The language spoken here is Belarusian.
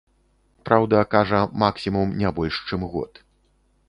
Праўда, кажа, максімум не больш чым год.